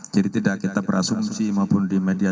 jadi tidak kita berasumsi maupun di media